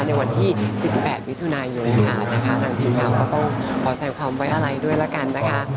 ในวันที่๑๘มิถุนายนนะคะทางทีมข่าวก็ต้องขอแสดงความไว้อะไรด้วยละกันนะคะ